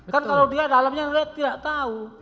kan kalau dia dalamnya tidak tahu